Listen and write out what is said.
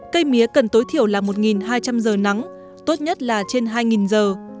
cây mía cần tối thiểu là một hai trăm linh giờ nắng tốt nhất là trên hai giờ